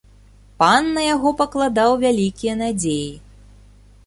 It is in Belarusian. Пан на яго пакладаў вялікія надзеі.